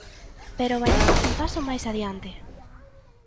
Pero vaiamos un paso máis adiante.